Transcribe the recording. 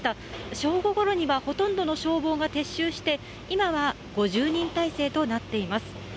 正午ごろには、ほとんどの消防が撤収して、今は５０人態勢となっています。